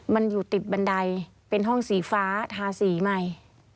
มันอยู่ติดบันไดเป็นห้องสีฟ้าทาสีใหม่